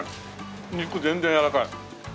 肉全然やわらかい。